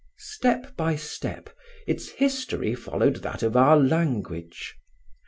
Step by step, its history followed that of our language.